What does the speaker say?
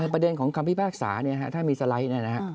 ประเด็นของคำพิพากษาเนี่ยถ้ามีสไลด์เนี่ยนะฮะ